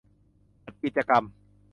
จัดกิจกรรม